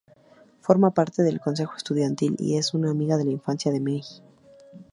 Forma parte del consejo estudiantil, y es amiga de la infancia de Mei.